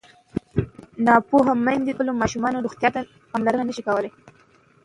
ناپوهه میندې د خپلو ماشومانو روغتیا ته پاملرنه نه شي کولی.